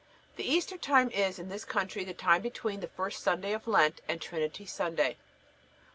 The Easter time is, in this country, the time between the first Sunday of Lent and Trinity Sunday.